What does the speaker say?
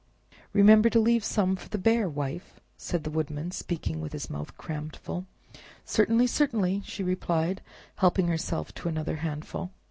"Remember to leave some for the Bear, Wife," said the Woodman, speaking with his mouth crammed full. "Certainly, certainly," she replied, helping herself to another handful.